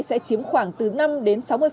sẽ chiếm khoảng từ năm đến sáu mươi